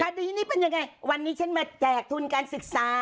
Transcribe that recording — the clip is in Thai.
คดีนี้เป็นยังไงวันนี้ฉันมาแจกทุนการศึกษา